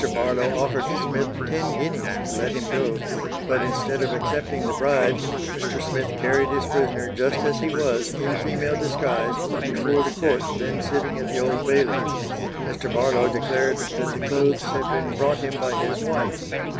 Barlow offered Smith ten guineas to let him go, but instead of accepting the bribe, Mr. Smith carried his prisoner just as he was, in female disguise, before the court then sitting at the Old Bailey. Mr. Barlow declared that the clothes had been brought him by his wife.